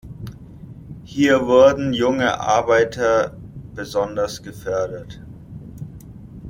Hier wurden junge Arbeiter besonders gefördert.